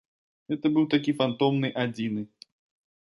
Гэта быў такі фантомны адзіны.